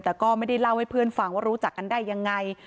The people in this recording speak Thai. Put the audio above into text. แต่ก็ไม่ได้เล่าให้เพื่อนฟังว่ารู้จักกันได้ยังไง